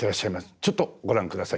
ちょっとご覧下さい。